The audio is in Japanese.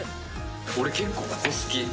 俺、結構ここ好き。